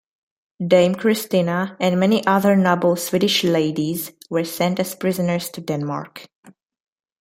Dame Christina and many other noble Swedish ladies were sent as prisoners to Denmark.